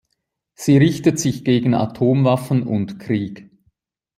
Sie richtet sich gegen Atomwaffen und Krieg.